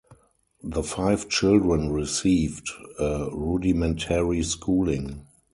The five children received a rudimentary schooling.